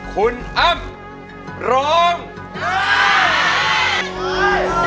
คุณอัมร้อง